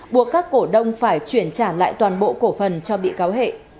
buộc các cổ đông phải chuyển trả lại toàn bộ cổ phần cho bị cáo hệ